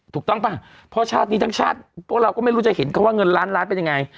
ถูกต้องป่ะเพราะชาตินี้ทั้งชาติพวกเราก็ไม่รู้จะเห็นเขาว่าเงินล้านล้านเป็นยังไง